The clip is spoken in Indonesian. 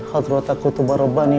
hadratat kutuban rabbani